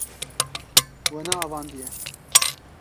We neavandiye.